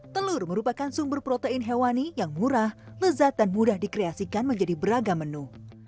telur merupakan sumber protein hewani yang murah lezat dan mudah dikreasikan menjadi beragam menu